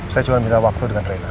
saya cuma minta waktu dengan reina